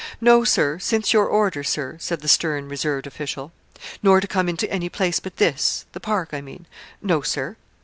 'No, Sir since your order, Sir,' said the stern, reserved official. 'Nor to come into any place but this the park, I mean?' 'No, Sir.'